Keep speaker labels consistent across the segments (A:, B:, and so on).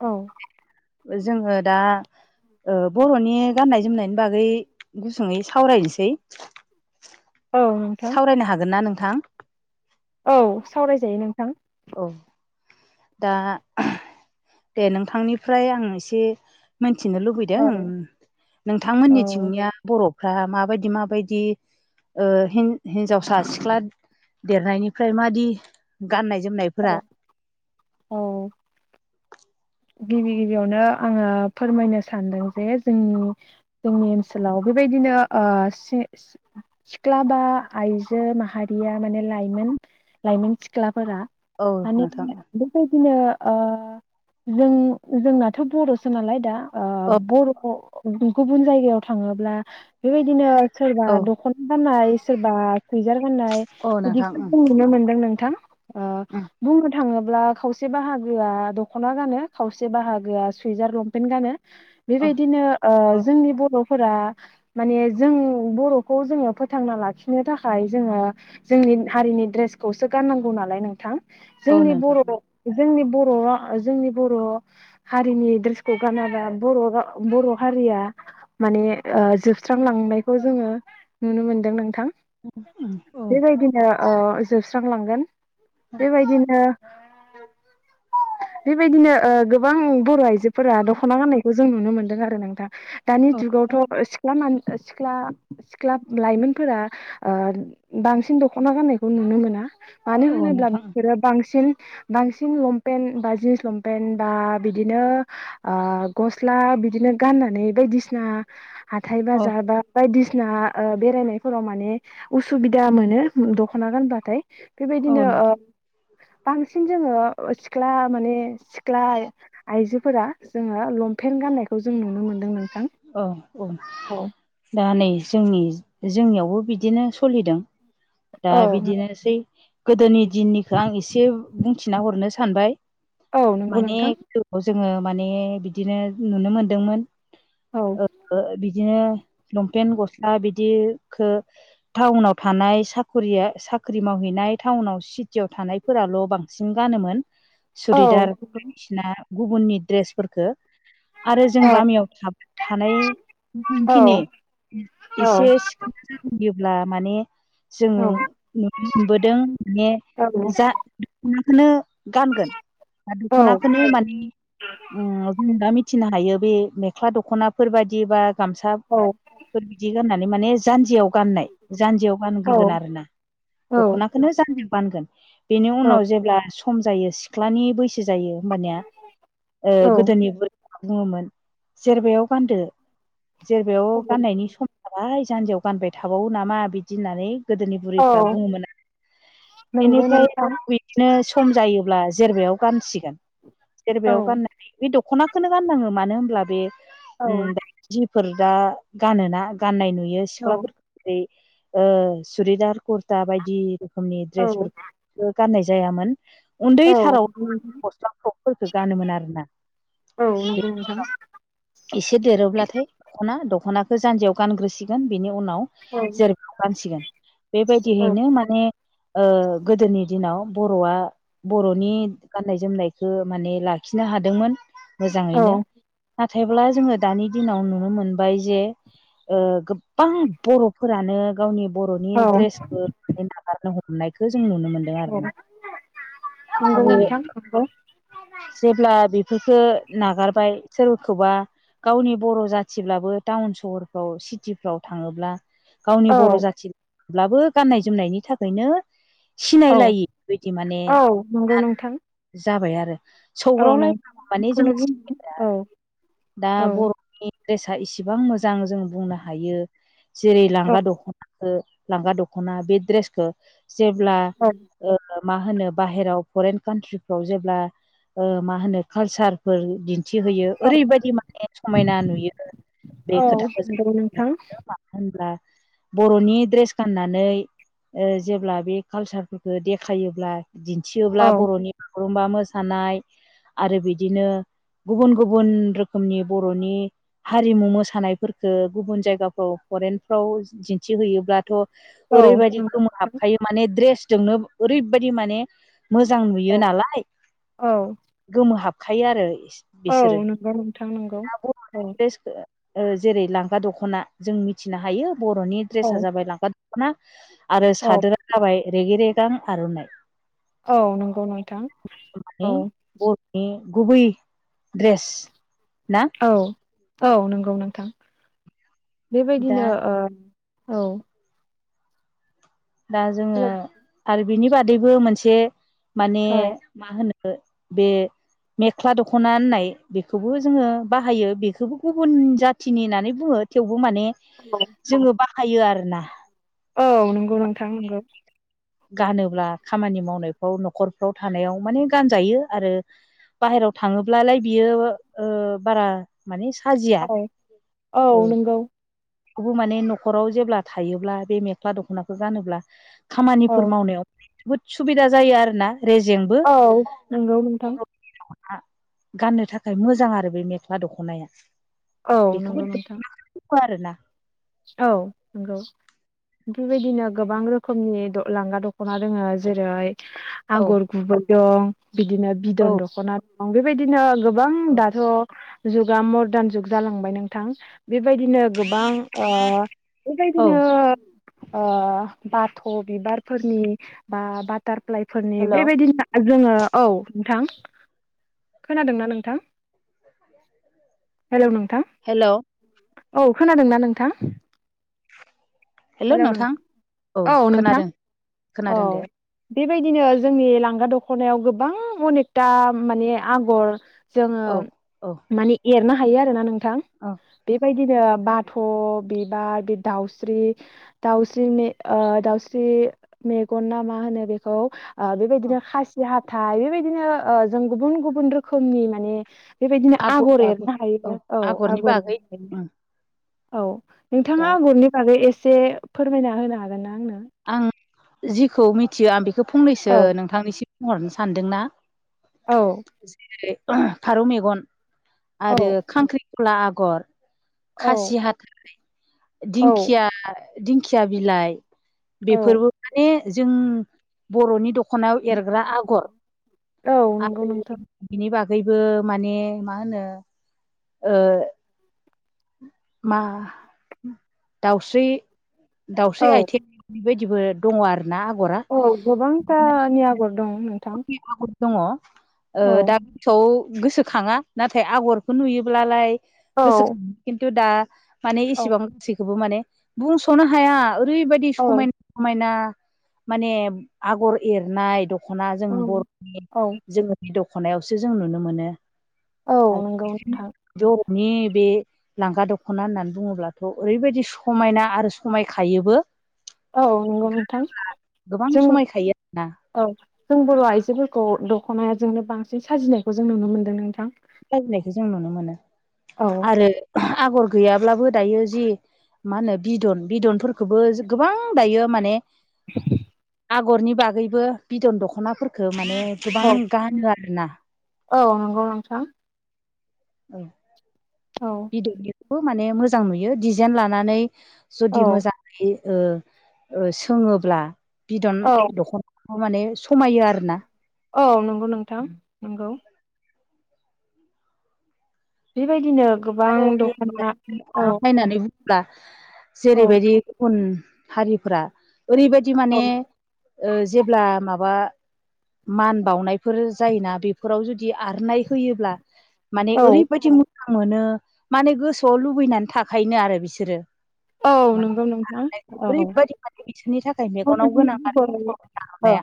A: औ
B: जोङो दा बर'नि गाननाय जोमनायनि बागै गुसुङयै सावरायनोसै
A: औ नोंथां
B: सावरायनो हागोन ना नोंथां?
A: औ सावरायजायो नोंथां
B: औ दा दे नोंथांनिफ्राय आं एसे मोनथिनो
A: औ
B: लुबैदों नोंथांमोननि
A: औ
B: थिंनिया बर' फ्रा माबायदि माबायदि ओ हिन-हिन्जावसा सिख्ला देरनायनिफ्राय मादि गाननाय जोमनायफोरा
A: औ गिबि गिबियावनो आङो फोरमायनो सानदों जे जोंनि जोंनि ओनसोलाव बेबायदिनो ओ से सिख्लाबा आइजो माहारिया माने लायोमोन लाइमोन सिख्लाफोरा
B: औ
A: माने
B: नोंथां
A: बेबायदिनो ओ जों जोंनाथ' बर'सो नालाय दा ओ
B: औ
A: बर' गुबुन जायगायाव थाङोब्ला बेबायदिनो सोरबा
B: औ
A: दख'ना गाननाय सोरबा सुयजार गाननाय
B: औ नोंथां
A: बिदिखौ
B: उम
A: जों नुनो मोन्दों नोंथां ओ
B: उम
A: बुंनो थाङो ब्ला खावसे बाहागोआ दख'ना गानो खावसे बाहागोआ सुइजार लंपेन्ट गानो।
B: औ
A: बेबायदिनो ओ
B: औ
A: जोंनि बर'फ फोरा माने जों बर'खौ जोङो फोथांना लाखिनो थाखाय जोङो जोंनि दिन हारिनि द्रेसखौसो गाननांगौ नालाय नोंथां
B: औ
A: जोंनि
B: नोंथां
A: बर' जोंनि बर' रा ओ जोंनि बर' हारिनि ड्रेसखौ गानाबा बर' रा बर' हारिया माने ओ जोबस्रांलांनायखौ जोङो नुनो मोनदों नोंथां। [inaudible]
B: उम औ
A: बेबायदिनो ओ जोबस्रांलांगोन बेबायदिनो [inaudible] बेबायदिनो ओ गोबां बर' आइजोफोरा दख'ना गाननायखौ जों नुनो मोनदों आरो नोंथां। दानि
B: औ
A: जुगावथ' ओ सिख्ला मान ओ सिख्ला सिख्ला लाइमोनफोरा ओ बांसिन दख'ना गाननायखौ नुनो मोना। मानो
B: औ
A: होनोब्ला
B: नोंथां
A: बिसोरो बांसिन बांसिन लंपेन्ट बा जिनस लंपेन बा बिदिनो ओ गस्ला बिदिनो गाननानै बायदिसिना हाथाय
B: औ
A: बाजार बा बायदिस ना ओ बेरायनायफोराव माने उसुबिदा मोनो दख'ना उम गानबाथाय।
B: औ
A: बेबायदिनो ओ
B: नोंथां
A: बांसिन जोङो सिख्ला माने सिख्ला आइ-आइजोफोरा जोङो लंपेन्ट गान्नायखौ जों नुनो मोनदों नों
B: अ बुं दा नै जोंनि जोंनियाव बो बिदिनो सलिदों। दा बिदिनोसै गोदोनि दिननिखो आं एसे बुंथिना हरनो सानबाय।
A: औ नंगौ
B: माने
A: नोंथां
B: [unintelligible] जोङो माने बिदिनो नुनो मोनदोंमोन।
A: औ
B: ओ ओ बिद दिनो लंपेन गस्ला बिदिखो थावउनाव थानाय साब खरिया साख्रि मावहैनाय थाउनाव सिटियाव थानायफोराल' बांसिन गानोमोन।
A: औ
B: सुरिदार बायदिसिना गुबुननि ड्रेस फोरखो। आरो जों
A: औ
B: गामियाव थाब थानाय [unintelligible]
A: औ
B: खिनि
A: औ
B: इसे सि [inaudible] ब्ला माने जोङो नुनो मोनबोदों माने जा [inaudible] खोनो गानगोन दा दख'नाखोनो माने ओम जों दा थिनो हायो बे मेख्ला दख'नाफोर बादि बा
A: औ
B: गामसाफोर बिदि गाननानै माने जान्जियाव गाननाय जान्जियाव
A: औ
B: गानग्रोगोन आरोना दख'नाखोनो जान्जियाव गानगोन। बेनि उनाव जेब्ला सम जायो सिख्लानि बैसो जायो होमबानिया ओ
A: औ
B: गोदोनि बोर बुङोमोन जेरबायाव गानदो जेरबायाव गाननायनि सम जाबाय जान्जियाव गानबाय थाबावो नामा बिदि होननानै गोदोनि बुरैफ्रा
A: औ
B: बुङोमोन [inaudible]
A: नंगौ
B: एनिफ्राय
A: नोंथां
B: बिदिनो सम जायोब्ला जेरबायाव गानसिगोन
A: औ
B: जेरबायाव गाननानै [inaudible] दखनाखोनो गाननाङो मानो होनब्ला बे
A: औ
B: ओम जि फोर दा गानोना गाननाय नुयो
A: औ
B: सिख्लाफोरखौ ओ सुरिदार, कुरता बायदि रोखोमनि
A: औ
B: द्रेसफोरखो गाननाय जायामोन।
A: औ
B: उन्दैथाराव गस्ला फ्रगफोरखौ गानोमोन आरोना
A: औ
B: बे
A: नंगौ नोंथां
B: एसे देरोब्लाथाय दख'ना दखना दख'नाखौ जान्जियाव गानग्रोसिगोन बेनि उनाव जेरबाआव गानसिगोन
A: औ
B: बेबायदिहैनो माने ओ गोदोनि दिनाव बर'आ बर'नि गान‌ नाय जोमनायखौ माने लाखिनो हादोंमोन मोजाङैनो नाथायब्ला जोङो दानि दिनाव नुनो मोनबाय जे ओ गोबां बर'फोरा नो गावनि बर'नि
A: औ
B: द्रेसखौ नागारनो हमनायखौ जों नुनो
A: औ
B: मोनदों
A: औ
B: आरोना आरो
A: नंगौ नोंथां नंगौ
B: जेब्ला बेखो नागारबाय सोरखौबा गावनि बर' जाथिब्लाबो टाउन सहरफ्राव सिटिफ्राव थाङोब्ला गावनि
A: औ
B: बर' जाथिब्लाबो गाननाय जोमनायनि थाखायनो
A: औ
B: सिनायलायै बेदि माने
A: औ नंगौ
B: गाना
A: नोंथां
B: जाबाय आरो
A: औ
B: सौग्रावलायबाबो माने
A: नोंखौनो
B: जोङो
A: बुंदों
B: सिनायलाया
A: औ
B: आरो दा
A: औ
B: बर'नि द्रेसा इसिबां मोजां जों बुंनो हायो जेरै
A: औ
B: लांगा दख'ना ओ लांगा दख'ना बे द्रेसखौ जेब्ला ओ मा होनो बाहेराव फरेन कान्ट्रिफ्राव जेब्ला ओ मा होनो कालसारफोर दि थि होयो
A: औ
B: ओरैबायदि माने समायना नुयो। बे
A: औ
B: खोथाखो जों
A: नंगौ
B: खोनानो
A: नोंथां
B: मोनदों मानो होनब्ला बर'नि ड्रेस गाननानै ओ जेब्ला बे कालसारफोरखौ देखायोब्ला दिन्थियोब्ला
A: औ
B: बर'नि बागुरुमबा मोसानाय आरो बिदिनो गुबुन गुबुन रोखोमनि बर'नि हारिमु मोसानायफोरफोरखो गुबुन जायगाफ्राव फरेनफ्राव दि थि होयोब्लाथ'
A: औ
B: ओरैबायदि खमोहाबखायो माने दड्रेस जोंनो ओरैबायदि माने मोजां नुयो
A: नंगौ
B: नालाय
A: औ
B: गोमोहाब खायो आरो
A: औ
B: बिसोरो
A: नंगौ नोंथां नंगौ
B: दा
A: औ
B: बर'नि द्रेसखो ओ जेरै लांगा दख'ना जों मिथिनो हायो बर'नि
A: औ
B: ड्रेसा जाबाय लांगा दख'ना आरो
A: औ
B: सादोरा जाबाय रेगे रेगां आर'नाइ
A: औ नंगौ नोंथां
B: माने
A: औ
B: बर'नि गुबै द्रेस
A: औ औ नंगौ नोंथां
B: दा
A: बेबायदिनो ओ औ
B: दा जोङो
A: हेलौ
B: आरो बिनि बादैबो मोनसे माने
A: औ
B: मा होनो ओ बे मेख्ला दखना होननाय बेखौबो जोङो बाहायो बेखौबो गुबुन जाथिनि होनानै बुङो थेवबो बु माने जोङो बाहायो आरोना
A: औ नंगौ नोंथां नंगौ।
B: गानोब्ला खामानि मावनायफ्राव न'खरफ्राव थानायाव माने गानजायो आरो बाहेरायाव थाङोब्लालाय बियो ओ बारा माने साजिया
A: [unintelligible] औ
B: ओ
A: औ नंगौ।
B: खौबो माने न'खराव जेब्ला थायोब्ला बे मेख्ला दख'नाखौ गानोब्ला
A: औ
B: खामानिफोर मावनायाव बहुद सुबिदा जायो आरोना रेजेंबो
A: औ नंगौ नोंथां
B: आं गाननो थाखाय मोजां आरो बे मेख्ला दख'नाया
A: औ
B: बेखौबो
A: नोंगौ
B: दङ
A: नोंथां।
B: आरोना
A: औ नोंगौ। बेबायदिनो गोबां रोखोमनि द' लांगा दख'ना दोङो जेरै
B: औ
A: आगर गुबै दं बिदिनो बिदन
B: औ
A: दखना दं बेबायदिनो गो गोबां
B: औ
A: दाथ' जुगा मडार्न जुग जालांबाय नोंथां बेबायदिनो गोबां ओ
B: औ
A: बेबादिनो ओ बाथ' बिबारफोरनि बा बा टारफ्लाइ फोरनि
B: हेल'
A: बेबायदिनो जोङो औ नोंथां खोनादोंना नोंथां? हेल' नो
B: हेलौ
A: औ खोनादोंना नोंथां? हेल' नों औ नोंथां औ।
B: खोनादों दे
A: बेबायदिनो जोंनि लांगा दख'नायाव गोबां अनेकथा माने आगर जोङो
B: औ औ
A: माने एरनो हायो आरोना नोंथां
B: औ
A: बेबायदिनो बाथ
B: [inaudible]
A: बिबार बे दाउस्रि दाउस्रि दाउस्रि मेगन ना मा होनो बेखौ ओ बेबायदिनो खासि हाथाइ बेबायदिनो जों गुबुन गुबुन रोखोमनि माने बेबायदिनो आगर एरनो हायो औ आगर एरनो हायो। औ
B: दा
A: नोंथाङा आगरनि बागै एसे फोरमायना होनो हागोन ना आंनो
B: आं जिखौ मिथिया आं बेखौ फंनैसो
A: औ
B: नोंथांनिसिम बुंहरनो सानदोंना
A: औ
B: जेरै फारौ मेगन
A: औ
B: आरो खांख्रि खला आगर,
A: औ
B: खासि हाथाइ,
A: औ
B: दिंखिया दिंखिया बिलाइ
A: औ
B: बेफोरबो माने जों बर'नि दख खनायाव एरग्रा आगर
A: औ नंगौ
B: आरो
A: नोंथां
B: बिनि बागै गैबो माने मा होनो ओ मा दाउस्रि दाउस्रि
A: औ
B: आइथिं बेबायदि गबो दङ आरो ना आगरा
A: औ गोबांथानि आगर दं नोंथां।
B: आगर दङ ओ
A: औ
B: दाथौ गोसोआव गोसोखाङा नाथाय आगरखौ नुयोब्लालाय
A: औ
B: गोसोखांङो खिन्थु दा माने
A: औ
B: इसेबां गासैखौबो माने बुंस'नो हाया। ओरैबायदि
A: औ
B: समायना समायना माने आगर एरनाय दख'ना जों
A: ओं
B: बर'नि
A: औ
B: जोंनि दख'नायावसो जों नुनो मोनो।
A: औ
B: आरो
A: नंगौ नोंथां
B: ज नि बे लांगा दख'ना होननानै बुङोब्लाथ' ओरैबायदि समायना आरो समायखायोबो
A: औ नंगौ नोंथां
B: गोबां
A: जों
B: समायखायो आरोना
A: औ जों बर' आइजोफोरखौ दख'नायाजोंनो बांसिन साजिनायखौ जों नुनो मोनदों नोंथां।
B: [unintelligible] जों नुनो मोनो
A: औ
B: आरो आगर गैयाब्लाबो दायो जि मा होनो बिदन बिदनफोरखौबो गोबां दायो माने
A: [inaudible]
B: आगरनि बागैबो बिदन दखनाफोरखौ माने
A: औ
B: गोबां गानो आरो ना।
A: औ नंगौ नोंथां।
B: औ
A: औ
B: बिदननोखौबो माने मोजां नुयो डिजाइन लानानै
A: औ
B: जुदि मोजाङै ओ ओ सोङोब्ला बिदन
A: औ
B: दख'ना माने समायो आरो ना।
A: औ नंगौ नोंथां नंगौ। बेबायदिनो गोबां दख'ना औ
B: [unintelligible]
A: औ
B: जेरैबायदि गुबुन हारिफोरा ओरैबायदि
A: औ
B: माने जेब्ला माबा मान बावनायफोर जायोना बेफोराव जुदि आरनाय होयोब्ला माने
A: औ
B: ओरैबायदि मोजां मोनो माने गोसोआव लुबैनानै थाखायनोनो आरो बिसोरो।
A: औ
B: माने
A: नंगौ नोंथां
B: आर'नाइ
A: औ
B: ओरैबायदि माने बिसोरनि थाखाय मेगनाव
A: बर'नि
B: गोनां आरो।
A: गुबै औ
B: हाया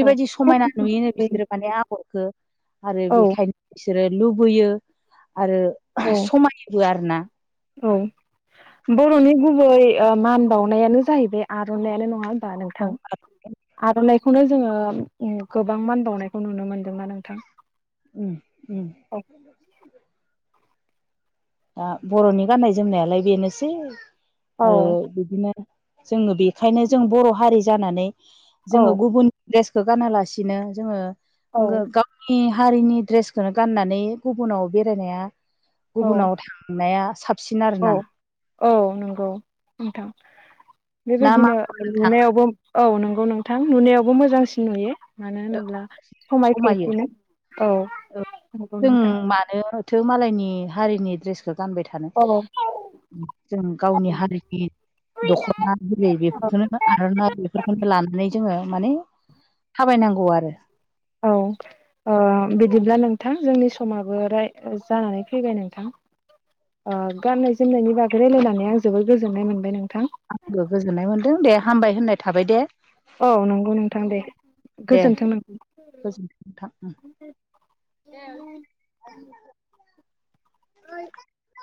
A: औ
B: समायना नुयोनो बिसोरो माने आगरखौ आरो
A: औ
B: बेखायनो बिसोरो- लुबैयो आरो समायोबो आरोना
A: औ-औ बरनि गुबै- ओ मान बावनायानो जाहैबाय आरननाइआनो नङा होनबा
B: औ
A: नोंथां? आरनना- बेखौनो जोङो गोबां मान बावनायखौ नुनो मोनदोंना नोंथां?
B: उम-उम
A: औ
B: बा बरनि गाननाय जोमनायालाय बेनोसै
A: औ
B: आरो बिदिनो जोङो बेखायनो जों बर हारि जानानै जोङो
A: औ
B: गुबुन द्रेसखौ गानालासिनो जोङो गावनि हारिनि द्रेसखौनो गाननानै गुबुनाव बेरायनाया
A: औ
B: नाया साबसिन
A: औ
B: आरोना
A: औ नंगौ नोंथां
B: ना मा
A: बेबायदिनो
B: नोंथां
A: नुनायावबो औ नंगौ नोंथां नुनायावबो मोजांसिन नुयो मानो होनोब्ला
B: समायो
A: समायफ्लेसियो। औ नंगौ
B: जों
A: नोंथां
B: मानोथो मालायनि हारिनि दड्रेसखौ गानबाय थानो?
A: औ
B: जों गावनि हारिनि दखना जेरै बेफोरखौनो आरननाइ बेफोरखौनो लानानै जोङो माने थाबायनांगौ आरो
A: औ बिदिब्ला नोंथां जोंनि समाबो राय जानानै फैबाय नोंथां ओ गाननाय जोमनायनि बागै रायलायनानै आं जोबोद गोजोननाय मोनबाय नोंथां
B: आंबो गोजोननाय मोनदों दे हामबाय होननाय थाबाय दे।
A: औ नंगौ नोंथां दे
B: दे
A: गोजोनथों नोंथां।
B: गोजोनथों नोंथां। [inaudible]